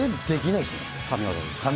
神技です。